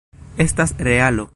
Estas realo.